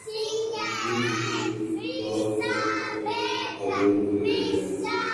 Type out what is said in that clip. مطلع جزوی طور پر ابر آلود رہے گا